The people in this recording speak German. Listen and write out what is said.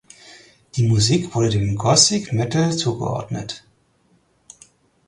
Die Musik wurde dem Gothic Metal zugeordnet.